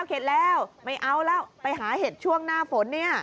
เข็ดแล้วไม่เอาแล้วไปหาเห็ดช่วงหน้าฝนเนี่ย